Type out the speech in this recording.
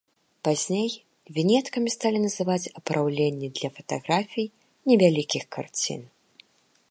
Пазней віньеткамі сталі называць апраўленні для фатаграфій, невялікіх карцін.